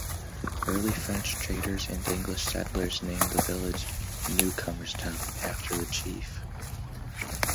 Early French traders and English settlers named the village Newcomerstown after the chief.